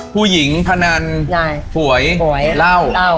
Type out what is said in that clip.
ผู้หญิงพนันหวยเล่า